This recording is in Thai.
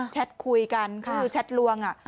แท็ตคุยกันคือแชทลวง